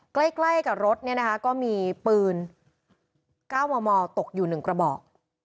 ใกล้กับรถก็มีปืน๙มตกอยู่๑กระบอก